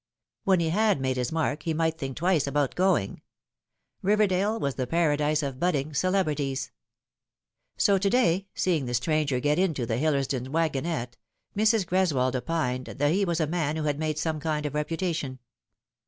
"When he had made his mark he might think twice about going. Riverdale was the paradise of budding celebrities. So to day, seeing the stranger get into the Hillersdon wagon ette, Mrs. Greswold opined that he was a man who had made some kind of reputation.